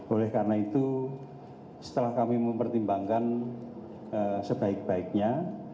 oleh karena itu setelah kami mempertimbangkan sebaik baiknya